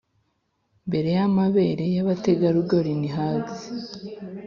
mbere yamabere yabategarugori ni hags